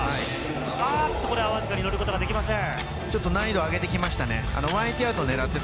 これはわずかに乗ることができません。